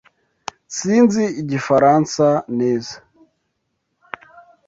Sinzi Igifaransa neza.